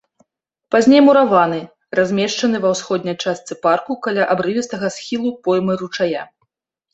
Пазней мураваны, размешчаны ва ўсходняй частцы парку каля абрывістага схілу поймы ручая.